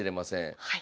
はい。